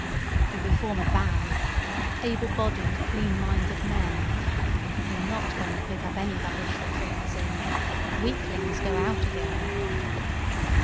And we form a band—able bodied, clean minded men. We're not going to pick up any rubbish that drifts in. Weaklings go out again."